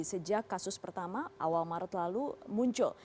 sejak kasus pertama awal maret lalu muncul